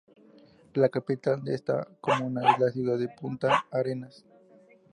La capital de esta comuna es la ciudad de Punta Arenas.